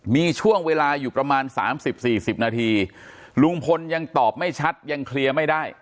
มีช่วงเวลาอยู่ประมาณ๓๐๔๐นาทีลุงพลยังตอบไม่ชัดยังเคลียร์ไม่ได้